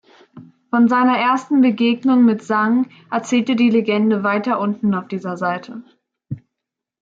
Von seiner ersten Begegnung mit Zhang erzählt die Legende weiter unten auf dieser Seite.